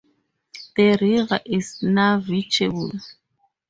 The river is navigable.